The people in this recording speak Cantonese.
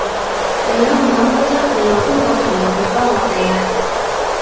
你諗唔諗得出，你有邊個朋友會幫我哋啊？